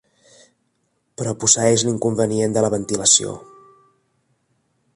Però posseeix l'inconvenient de la ventilació.